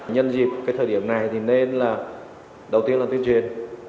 nhân dịp cái thời điểm này thì nên là đầu tiên là tuyên truyền